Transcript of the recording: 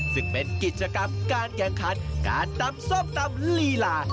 ซึ่งเป็นกิจกรรมการแข่งขันการตำส้มตำลีลา